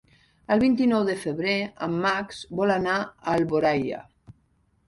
El vint-i-nou de febrer en Max vol anar a Alboraia.